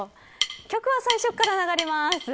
曲は最初から流れます。